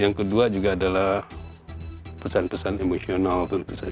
yang kedua juga adalah pesan pesan emosional